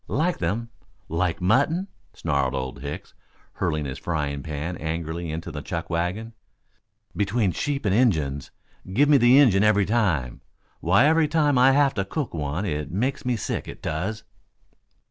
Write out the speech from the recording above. "Like them like mutton?" snarled Old Hicks, hurling his frying pan angrily into the chuck wagon. "Between sheep and had Injuns, give me the Injun every time. Why, every time I have to cook one it makes me sick; it does."